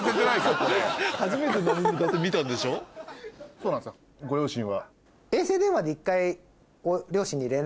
そうなんですよご両親は。